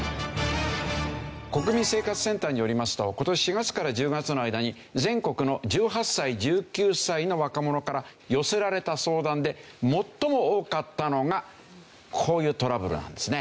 国民生活センターによりますと今年４月から１０月の間に全国の１８歳１９歳の若者から寄せられた相談で最も多かったのがこういうトラブルなんですね。